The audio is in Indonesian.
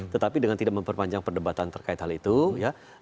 tetapi dengan tidak memperpanjang perdebatan terkait hal itu ya